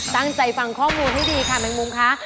ตั้งใจฟังข้อมูลให้ดีค่ะแมงมุมค่ะ